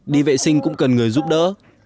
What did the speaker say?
đi vệ sinh cũng cần người giúp đỡ